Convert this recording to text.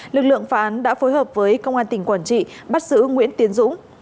lực lượng phá án đã phối hợp với công an tỉnh quảng trị bắt giữ nguyễn tiến dũng